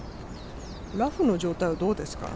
ラフの状態はどうですか？